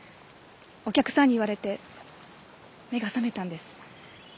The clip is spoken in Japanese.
お客さんに言われて目が覚めたんです。